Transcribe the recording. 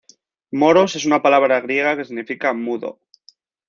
Moros es una palabra griega que significa "mudo".